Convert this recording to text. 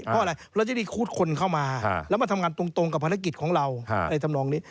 เพราะอะไรเราจะได้คูดคนเข้ามาแล้วมาทำงานตรงกับภารกิจของเราในธรรมนองนี้